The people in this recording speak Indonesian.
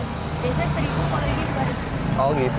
biasanya seribu kalau ini berapa